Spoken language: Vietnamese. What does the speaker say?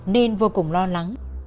nên vô cùng lo lắng